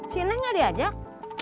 si neng gak diajak